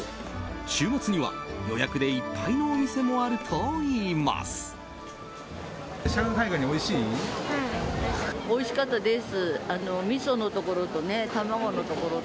週末には予約でいっぱいのお店もあるといいます。